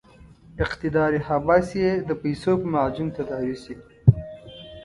اقتدار هوس یې د پیسو په معجون تداوي شي.